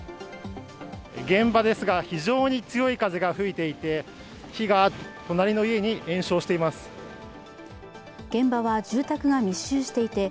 現場ですが、非常に強い風が吹いていて火が隣の家に延焼しています。